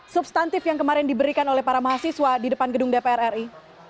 substantif yang kemarin diberikan oleh para mahasiswa di depan gedung dpr ri